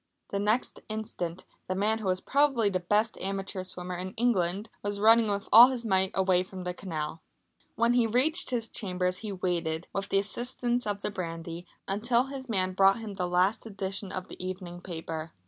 The next instant the man who was probably the best amateur swimmer in England, was running with all his might away from the canal. When he reached his chambers he waited, with the assistance of the brandy, until his man brought him the last edition of the evening paper.